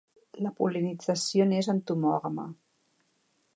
La pol·linització n'és entomògama.